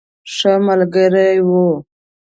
ښه ملګری وو.